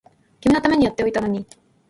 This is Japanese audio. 君のためにやっておいたのに